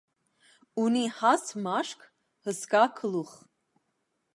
Ունի հաստ մաշկ, հսկա գլուխ։